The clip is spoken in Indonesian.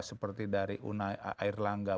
seperti dari air langga